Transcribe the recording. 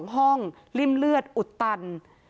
๒ห้องริ่มเลือดอุดตัน